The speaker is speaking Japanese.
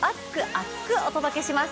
厚く！お届けします。